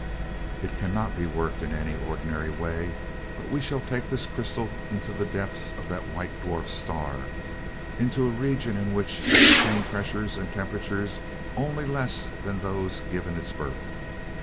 "It cannot be worked in any ordinary way, but we shall take this crystal into the depths of that white dwarf star, into a region in which obtain pressures and temperatures only less than those giving it birth.